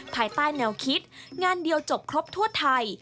ภายใต้แนวคิดงานเดียวจบครบทั่วไทย